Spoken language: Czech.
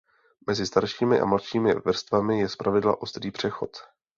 Mezi staršími a mladšími vrstvami je zpravidla ostrý přechod.